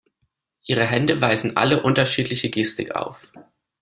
Ihre Hände weisen alle unterschiedliche Gestik auf.